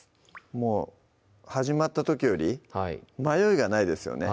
もう始まった時より迷いがないですよね